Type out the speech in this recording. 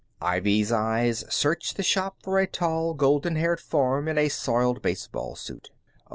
Ivy's eyes searched the shop for a tall, golden haired form in a soiled baseball suit.